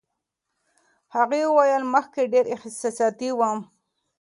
هغې وویل، مخکې ډېره احساساتي وم.